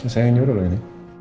saya yang nyuruh dulu ini